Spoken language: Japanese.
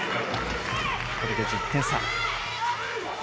これで１０点差。